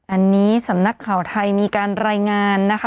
อันนี้สำนักข่าวไทยมีการรายงานนะคะ